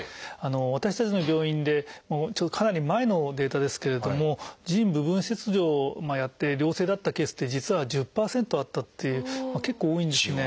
私たちの病院でかなり前のデータですけれども腎部分切除をやって良性だったケースって実は１０％あったっていう結構多いんですね。